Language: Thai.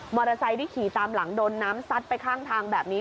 มอเตอร์ไซค์ที่ขี่ตามหลังโดนน้ำซัดไปข้างทางแบบนี้